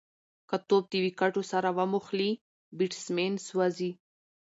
که توپ د وکټو سره وموښلي، بېټسمېن سوځي.